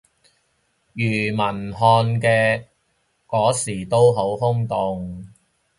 庾文翰案嗰時都好轟動